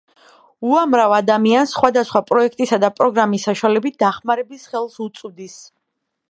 უამრავ ადამიანს სხვადასხვა პროექტისა და პროგრამის საშუალებით, დახმარების ხელს უწვდის.